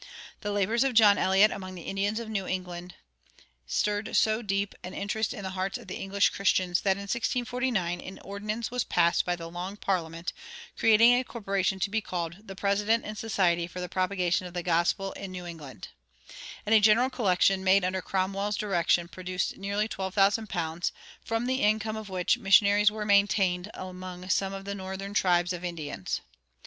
The labors of John Eliot among the Indians of New England stirred so deep an interest in the hearts of English Christians that in 1649 an ordinance was passed by the Long Parliament creating a corporation to be called "The President and Society for the Propagation of the Gospel in New England"; and a general collection made under Cromwell's direction produced nearly twelve thousand pounds, from the income of which missionaries were maintained among some of the Northern tribes of Indians.